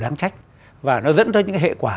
đáng trách và nó dẫn tới những hệ quả